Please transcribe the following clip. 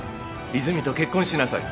泉と結婚しなさい。